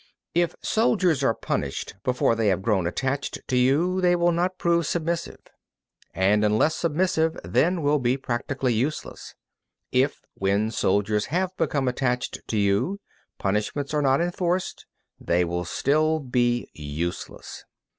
42. If soldiers are punished before they have grown attached to you, they will not prove submissive; and, unless submissive, then will be practically useless. If, when the soldiers have become attached to you, punishments are not enforced, they will still be useless.